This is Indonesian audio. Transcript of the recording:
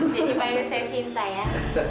jadi panggil saya cinta ya